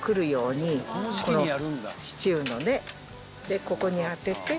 でここに当てて。